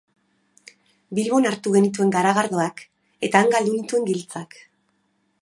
Bilbon hartu genituen garagardoak eta han galdu nituen giltzak.